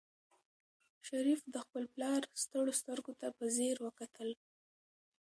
شریف د خپل پلار ستړو سترګو ته په ځیر وکتل.